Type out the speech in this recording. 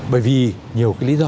bởi vì nhiều cái lý do